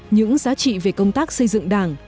những giá trị về công tác xây dựng đảng